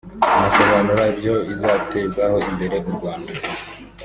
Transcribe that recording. anasobanura ibyo izatezaho imbere u Rwanda